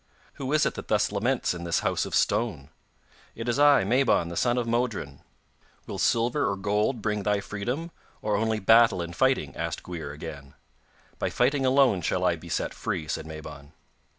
'Who is it that thus laments in this house of stone?' 'It is I, Mabon the son of Modron.' 'Will silver or gold bring thy freedom, or only battle and fighting?' asked Gwrhyr again. 'By fighting alone shall I be set free,' said Mabon.